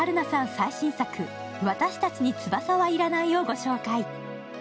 最新作、「わたしたちに翼はいらない」をご紹介。